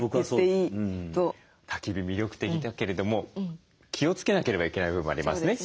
たき火魅力的だけれども気をつけなければいけない部分もありますね。